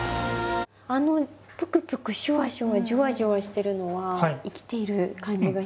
あのプクプクシュワシュワジュワジュワしてるのは生きている感じが。